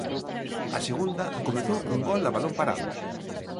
A segunda comezou cun gol a balón parado.